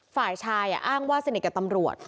ฝ่ายชายอ้างว่าสนิทกับตำรวจ